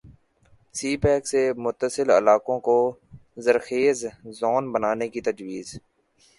سی pack سے متصل علاقوں کو ذرخیز زون بنانے کی تجویز